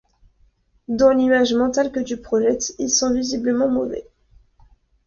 Dans l’image mentale que tu projettes, il sent visiblement mauvais.